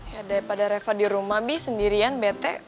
ya daripada rekod di rumah bi sendirian bete